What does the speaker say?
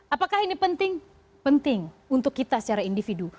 apakah ini penting untuk kita secara individu